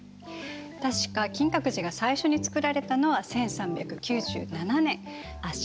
確か金閣寺が最初に造られたのは１３９７年。